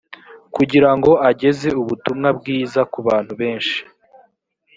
kugira ngo ageze ubutumwa bwiza ku bantu benshi